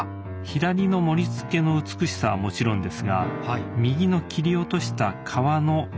左の盛り付けの美しさはもちろんですが右の切り落とした皮の状態も大切です。